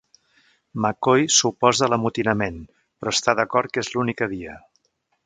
McCoy s'oposa a l'amotinament, però està d'acord que és l'única via.